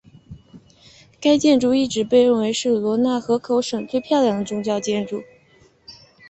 该建筑一直被认为是罗讷河口省最漂亮的宗教建筑。